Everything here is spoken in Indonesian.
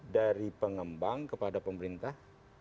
dari pengembang kepada pemerintah